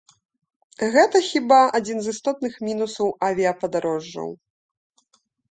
Гэта, хіба, адзін з істотных мінусаў авіяпадарожжаў.